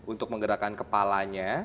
untuk menggerakkan kepalanya